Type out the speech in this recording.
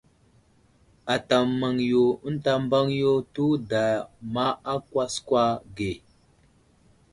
Ata maŋ yo ənta mbaŋ yo tewuda ma á kwaskwa ge.